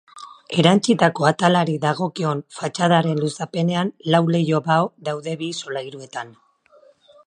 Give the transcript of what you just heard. Erantsitako atalari dagokion fatxadaren luzapenean lau leiho-bao daude bi solairutan.